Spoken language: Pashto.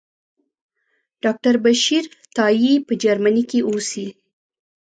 ډاکټر بشیر تائي په جرمني کې اوسي.